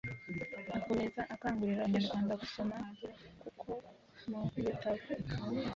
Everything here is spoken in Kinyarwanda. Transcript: Akomeza akangurira Abanyarwanda gusoma kuko mu bitabo